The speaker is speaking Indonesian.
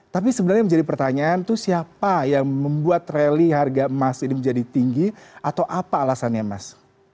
tapi sebenarnya menjadi pertanyaan itu siapa yang membuat rally harga emas ini menjadi tinggi atau apa alasannya mas